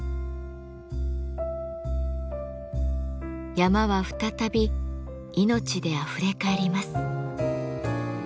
山は再び命であふれかえります。